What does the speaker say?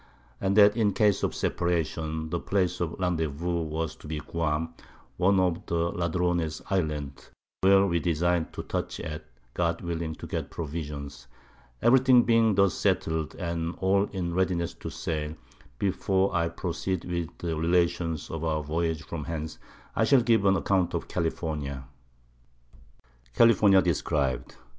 And that in case of Separation, the Place of Rendezvous was to be Guam, one of the Ladrones Islands, where we design'd to touch at, God willing, to get Provisions: Every thing being thus settled, and all in a Readiness to sail; before I proceed with the Relation of our Voyage from hence, I shall give an Account of California. California described. [Sidenote: _California Described.